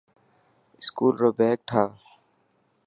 اسڪول رو بيگ ٺاهه.